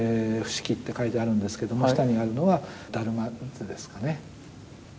「不識」って書いてあるんですけど下にあるのは達磨図ですかね。